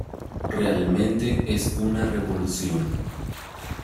Realmente es una revolución.